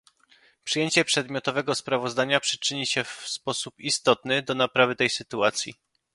Przyjęcie przedmiotowego sprawozdania przyczyni się w sposób istotny do naprawy tej sytuacji